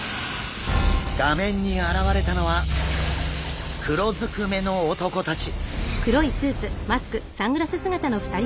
画面に現れたのは黒ずくめの男たち。